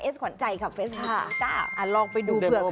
เอสขวัญใจครับเฟส๕อ่ะลองไปดูเผื่อใครชอบ